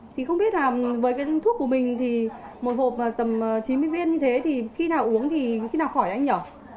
thì không biết là với cái thuốc của mình thì một hộp tầm chín mươi viên như thế thì khi nào uống thì khi nào khỏi anh nhỏ